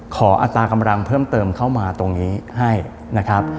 อัตรากำลังเพิ่มเติมเข้ามาตรงนี้ให้นะครับ